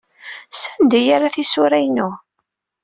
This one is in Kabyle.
Sanda ay yerra tisura-inu?